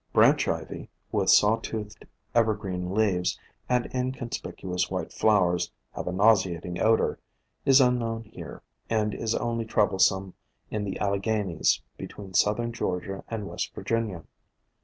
Branch Ivy, with saw toothed evergreen leaves, and inconspicuous white flowers having a nauseating odor, is unknown here, and is only troublesome in the Alleghanies be tween southern Georgia and West Virginia.